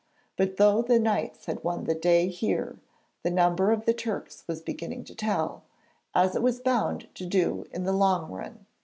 But though the Knights had won the day here, the number of the Turks was beginning to tell, as it was bound to do in the long run.